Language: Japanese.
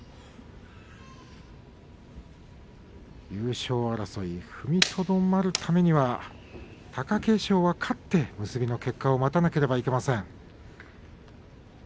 優勝争い踏みとどまるためには貴景勝は勝って結びを待たなければいけません。